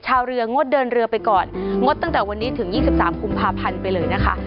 ชาวเรืองดเดินเรือไปก่อนงดตั้งแต่วันนี้ถึง๒๓กุมภาพันธ์ไปเลยนะคะ